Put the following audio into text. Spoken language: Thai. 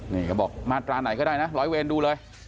นี่เขาบอกมาตราไหนก็ได้นะร้อยเวรดูเลย